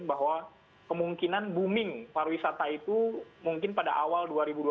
bahwa kemungkinan booming pariwisata itu mungkin pada awal dua ribu dua puluh